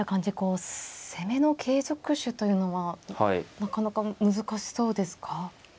攻めの継続手というのはなかなか難しそうですか。